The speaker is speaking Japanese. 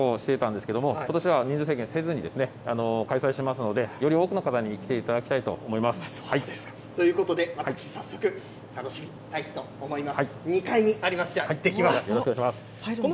そうですね、人数制限を覚悟していたんですけれども、ことしは人数制限せずに、開催しますので、より多くの方に来ていただきそうですか。ということで、私、早速、楽しみたいと思います。